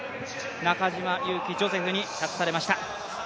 中島佑気ジョセフに託されました。